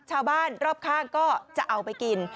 ชาวบ้านรอบข้างก็จะเอาไปกิน